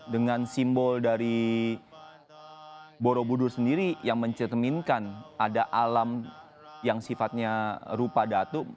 dengan simbol dari borobudur sendiri yang mencerminkan ada alam yang sifatnya rupa datu